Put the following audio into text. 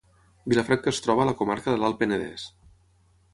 Vilafranca es troba a la comarca de l'Alt Penedès.